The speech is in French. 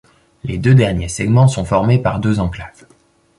Les deux derniers segments sont formés par deux enclaves.